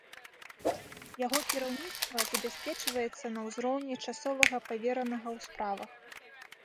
Яго кіраўніцтва забяспечваецца на ўзроўні часовага паверанага ў справах.